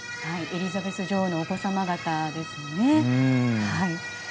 エリザベス女王のお子様方ですね。